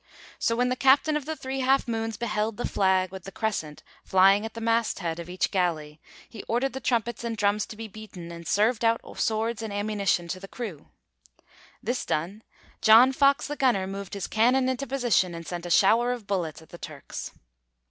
So when the captain of the 'Three Half Moons' beheld the flag with the crescent flying at the masthead of each galley, he ordered the trumpets and drums to be beaten, and served out swords and ammunition to the crew. This done, John Fox the gunner moved his cannon into position and sent a shower of bullets at the Turks.